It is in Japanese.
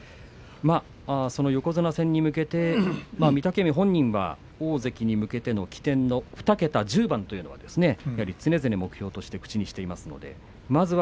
横綱戦に向けて御嶽海本人は大関に向けての起点の２桁１０番常々、目標として口にしています。